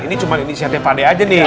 ini cuma ini siatnya pade aja nih